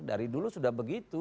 dari dulu sudah begitu